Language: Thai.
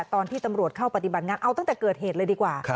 ตอนที่ตำรวจเข้าปฏิบัติงานเอาตั้งแต่เกิดเหตุเลยดีกว่า